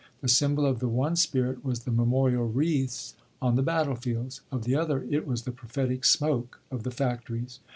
The symbol of the one spirit was the memorial wreaths on the battlefields; of the other it was the prophetic smoke of the factories.